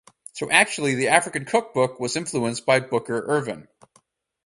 So, actually the African Cookbook was influenced by Booker Ervin.